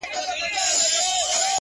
دغه د کرکي او نفرت کليمه،